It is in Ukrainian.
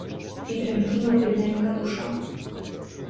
І тремтіла дрібненька душа.